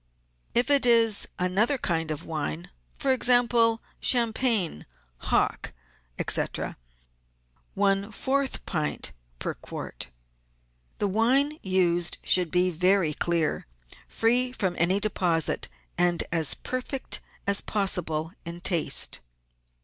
If it is another kind of wine, for example, champagne, hock, &c., one fourth pint per quart. The wine used should be very clear, free from any deposit, and as perfect as possible in taste.